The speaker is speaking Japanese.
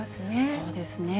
そうですね。